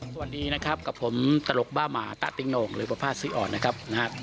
สวัสดีนะครับกับผมตลกบ้าหมาตะติงโหน่งหรือประพาทซื้ออ่อนนะครับ